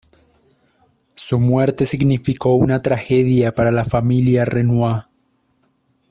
Su muerte significó una tragedia para la familia Renoir.